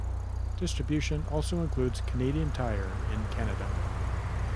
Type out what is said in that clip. Distribution also includes Canadian Tire in Canada.